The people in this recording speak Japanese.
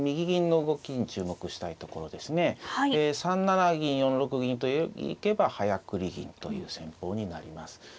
３七銀４六銀と行けば早繰り銀という戦法になります。